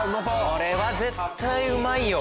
これは絶対うまいよ。